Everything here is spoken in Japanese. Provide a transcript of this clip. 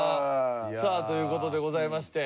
さあという事でございまして。